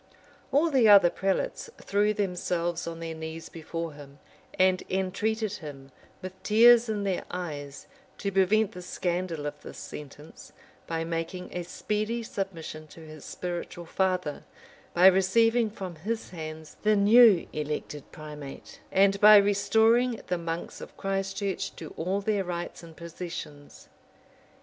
[] All the other prelates threw themselves on their knees before him, and entreated him, with tears in their eyes, to prevent the scandal of this sentence, by making a speedy submission to his spiritual father, by receiving from his hands the new elected primate, and by restoring the monks of Christ church to all their rights and possessions.